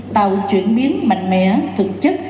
tạo chuyển biến mạnh mẽ thực chất